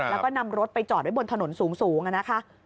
แล้วก็นำรถไปจอดไว้บนถนนสูงนะคะ